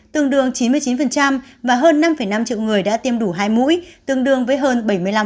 tương đương chín mươi chín và hơn năm năm triệu người đã tiêm đủ hai mũi tương đương với hơn bảy mươi năm